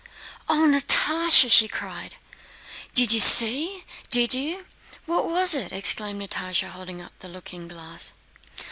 "Oh, Natásha!" she cried. "Did you see? Did you? What was it?" exclaimed Natásha, holding up the looking glass.